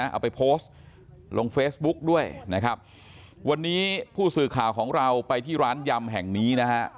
เอาไปโพสต์ลงเฟซบุ๊กด้วยนะครับวันนี้ผู้สื่อข่าวของเราไปที่ร้านยำแห่งนี้นะฮะ